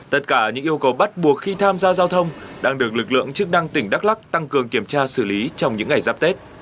tất cả những yêu cầu bắt buộc khi tham gia giao thông đang được lực lượng chức năng tỉnh đắk lắc tăng cường kiểm tra xử lý trong những ngày giáp tết